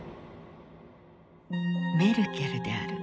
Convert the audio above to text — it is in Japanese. メルケルである。